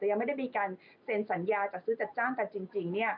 ยังไม่ได้มีการเซ็นสัญญาจัดซื้อจัดจ้างกันจริง